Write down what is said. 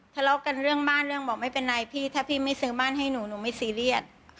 ทะเลาะกันเรื่องบ้านเรื่องบอกไม่เป็นไรพี่ถ้าพี่ไม่ซื้อบ้านให้หนูหนูไม่ซีเรียส